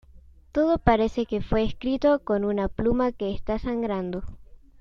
Todo parece que fue escrito con una pluma que está sangrando.